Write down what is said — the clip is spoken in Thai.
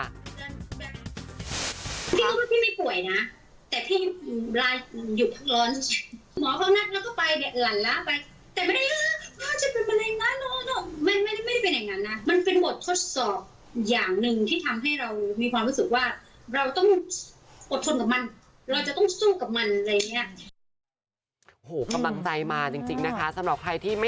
เราจะต้องสู้กับมันเลยนี่ค่ะ